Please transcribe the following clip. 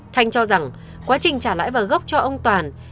thanh cho rằng quá trình trả lãi vào gốc cho ông toàn